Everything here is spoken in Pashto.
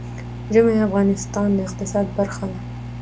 ژمی د افغانستان د اقتصاد برخه ده.